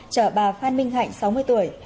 trở bà phan minh hạnh sáu mươi tuổi